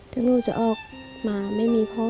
ถึงหนูจะออกมาไม่มีพ่อ